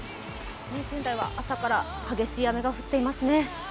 仙台は朝から激しい雨が降っていますね。